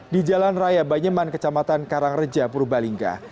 di jalan raya banyuman kecamatan karangreja purbalingga